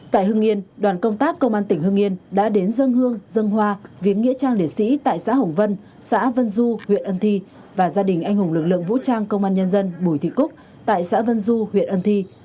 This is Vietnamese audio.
tại hưng yên đoàn công tác công an tỉnh hương yên đã đến dân hương dân hoa viếng nghĩa trang liệt sĩ tại xã hồng vân xã vân du huyện ân thi và gia đình anh hùng lực lượng vũ trang công an nhân dân bùi thị cúc tại xã vân du huyện ân thi